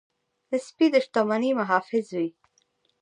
سپي د شتمنۍ محافظ وي.